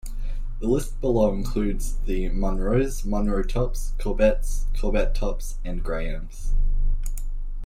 The list below includes the Munros, Munro Tops, Corbetts, Corbett Tops and Grahams.